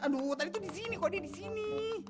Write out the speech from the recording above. aduh tadi tuh di sini kok dia di sini